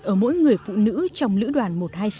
ở mỗi người phụ nữ trong lữ đoàn một trăm hai mươi sáu